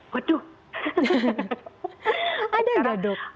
waduh ada gak dok